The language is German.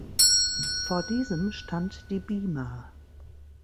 Vor diesem stand die Bima.